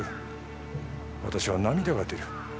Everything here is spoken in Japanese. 私は涙が出る。